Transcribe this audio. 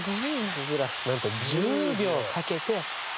サングラスなんと１０秒かけて外す。